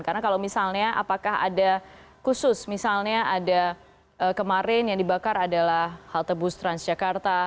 karena kalau misalnya apakah ada khusus misalnya ada kemarin yang dibakar adalah halte bus transjakarta